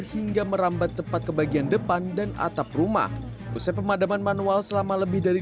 hingga merambat cepat ke bagian depan dan atap rumah usai pemadaman manual selama lebih dari